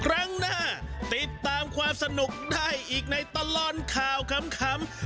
ครั้งหน้าติดตามความสนุกได้อีกในตลอดข่าวขำ